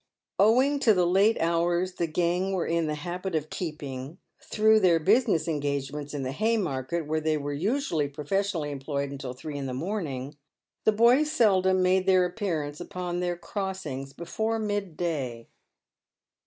Owing to the late hours the gang were in the habit of keeping — through their business engagements in the Haymarket, where they were usually professionally employed until three in the morning — 102 PAYED WITH GOLD. the boys seldom made their appearance upon their crossings before mid day.